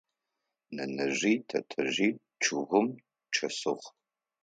Нэнэжъи тэтэжъи чъыгым чӏэсых.